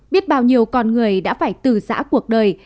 biết bao nhiêu con người đã phải từ giã cuộc đời